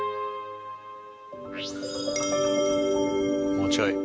もうちょい。